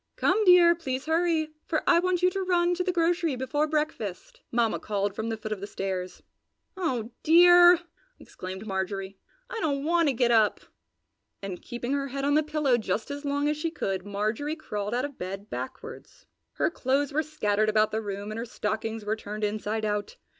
"Come, dear! Please hurry, for I want you to run to the grocery before breakfast!" Mamma called from the foot of the stairs. "Oh dear!" exclaimed Marjorie, "I don't want to get up!" and keeping her head on the pillow just as long as she could Marjorie crawled out of bed backwards. Her clothes were scattered about the room and her stockings were turned inside out.